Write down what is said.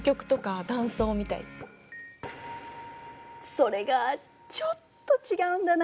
それがちょっと違うんだな。